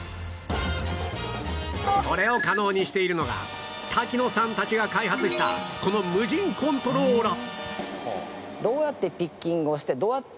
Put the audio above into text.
これを可能にしているのが滝野さんたちが開発したこの Ｍｕｊｉｎ コントローラ